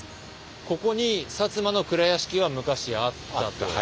ここに薩摩の蔵屋敷が昔あった。